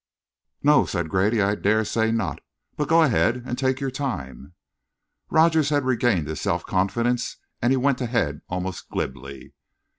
"No," said Grady, "I dare say not. But go ahead, and take your time." Rogers had regained his self confidence, and he went ahead almost glibly.